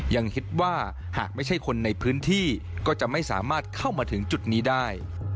ยังคิดว่าหากไม่ใช่คนในพื้นที่ก็จะไม่สามารถเข้ามาถึงจุดนี้ได้